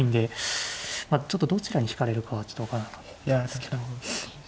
まあちょっとどちらに引かれるかはちょっと分からなかったですけど。